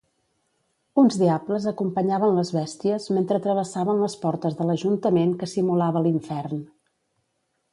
Uns diables acompanyaven les bèsties mentre travessaven les portes de l'Ajuntament que simulava l'infern.